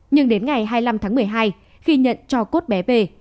nhưng đến ngày hai mươi năm tháng một mươi hai khi nhận cho cốt bé về